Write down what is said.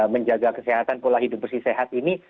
menjaga kesehatan pola hidup bersih sehat ini